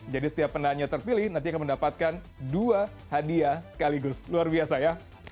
jadi setiap penanyaan terpilih nanti akan mendapatkan dua hadiah sekaligus luar biasa ya